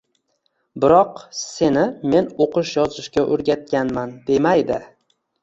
Biroq seni men o‘qish-yozishga o‘rgatganman demaydi.